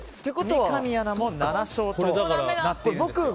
三上アナも７勝となっています。